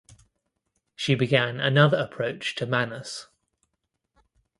She began another approach to Manus.